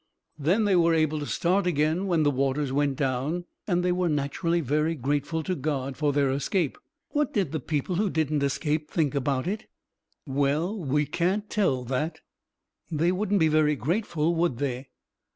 Then they were able to start again when the waters went down, and they were naturally very grateful to God for their escape." "What did the people who didn't escape think about it?" "Well, we can't tell that." "They wouldn't be very grateful, would they?"